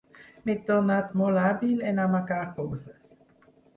M'he tornat molt hàbil en amagar coses.